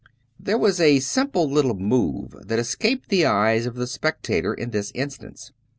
There was a simple little move that escaped the eyes of the spectators in this instance.